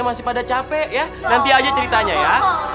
masih pada capek ya nanti aja ceritanya ya